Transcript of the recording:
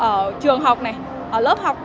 ở trường học này ở lớp học